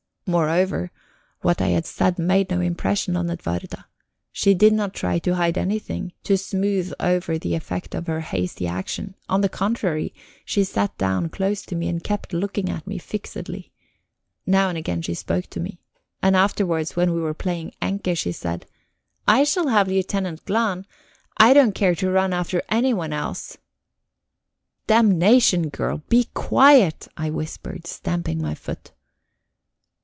Moreover, what I had said made no impression on Edwarda. She did not try to hide anything, to smooth over the effect of her hasty action: on the contrary, she sat down close to me and kept looking at me fixedly. Now and again she spoke to me. And afterwards, when we were playing "Enke," she said: "I shall have Lieutenant Glahn. I don't care to run after anyone else." "Saa for Satan, [Footnote: Expletive, equivalent to "The Devil!" or "Damnation!"] girl, be quiet!" I whispered, stamping my foot.